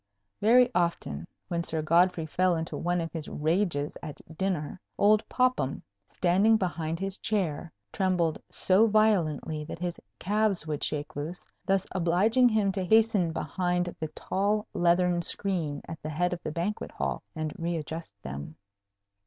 Very often, when Sir Godfrey fell into one of his rages at dinner, old Popham, standing behind his chair, trembled so violently that his calves would shake loose, thus obliging him to hasten behind the tall leathern screen at the head of the banquet hall and readjust them.